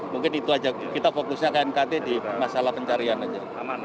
mungkin itu aja kita fokusnya knkt di masalah pencarian aja